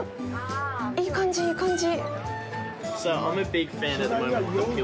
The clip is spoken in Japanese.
いい感じ、いい感じ。